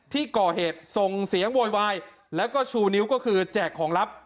ที่ก่อเหตุส่งเสียงโวยวายแล้วก็ชูนิ้วก็คือแจกของลับ